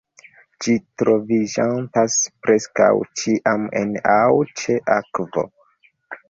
Ĝi troviĝantas preskaŭ ĉiam en aŭ ĉe akvo.